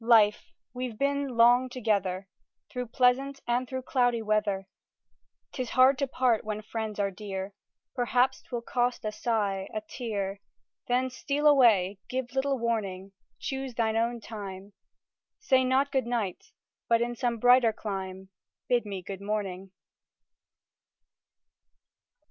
Life! we've been long together, Through pleasant and through cloudy weather; 'Tis hard to part when friends are dear; Perhaps 'twill cost a sigh, a tear; Then steal away, give little warning, Choose thine own time; Say not good night, but in some brighter clime Bid me good morning.